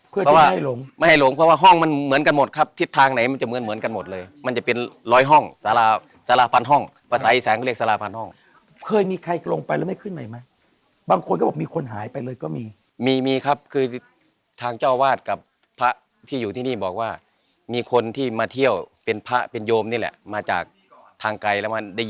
เพื่อที่ว่าไม่ให้หลงเพราะว่าห้องมันเหมือนกันหมดครับทิศทางไหนมันจะเหมือนเหมือนกันหมดเลยมันจะเป็นร้อยห้องสาราสาราพันห้องประสัยแสงเรียกสาราพันห้องเคยมีใครลงไปแล้วไม่ขึ้นใหม่ไหมบางคนก็บอกมีคนหายไปเลยก็มีมีครับคือทางเจ้าวาดกับพระที่อยู่ที่นี่บอกว่ามีคนที่มาเที่ยวเป็นพระเป็นโยมนี่แหละมาจากทางไกล